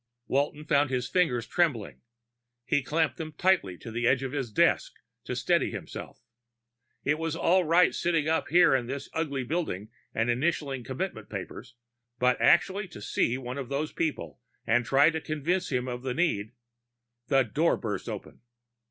Walton found his fingers trembling; he clamped them tight to the edge of his desk to steady himself. It was all right sitting up here in this ugly building and initialing commitment papers, but actually to see one of those people and try to convince him of the need The door burst open.